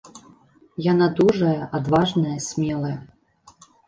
Яна дужая, адважная, смелая.